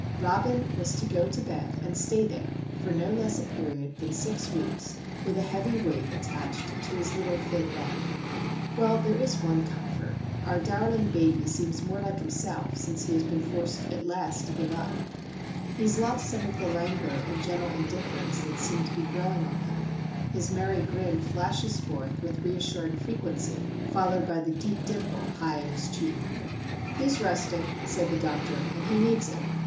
Robin was to go to bed and stay there for no less a period than six weeks, with a heavy weight attached to his little thin leg. Well, there is one comfort. Our darling baby seems more like himself since he has been forced at last to give up. He has lost some of the languor and gentle indifference that seemed to be growing on him. His merry grin flashes forth with reassuring frequency, followed by the deep dimple high in his cheek. "He is resting," said the doctor, "and he needs it.